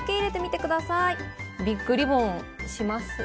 ビッグリボンします。